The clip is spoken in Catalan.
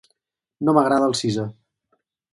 No m'agrada el Sisa.